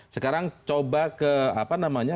sekarang coba ke apa namanya